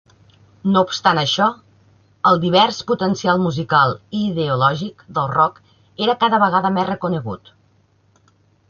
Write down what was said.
No obstant això, el divers potencial musical i ideològic del rock era cada vegada més reconegut.